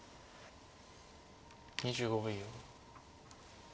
２５秒。